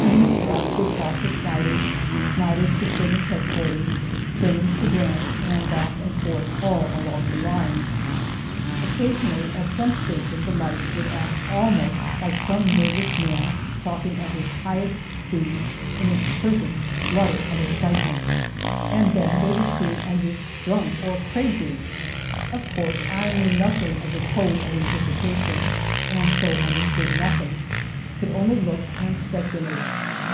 Haines' Bluff would talk to Snyder's; Snyder's to Sherman's headquarters; Sherman's to Grant's, and back and forth, all along the line. Occasionally at some station the lights would act almost like some nervous man talking at his highest speed in a perfect splutter of excitement, and then they would seem as if drunk, or crazy. Of course, I knew nothing of the code of interpretation, and so understood nothing, could only look and speculate.